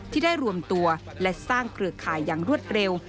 ที่ได้รวมตัวและสร้างเครือข่ายอย่างรวดเร็ว